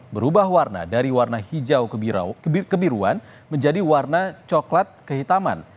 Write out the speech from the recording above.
berubah warna dari warna hijau kebiruan menjadi warna coklat kehitaman